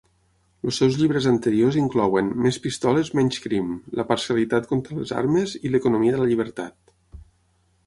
Els seus llibres anteriors inclouen "Més pistoles, menys crim", "La parcialitat contra les armes", i "L'economia de la llibertat".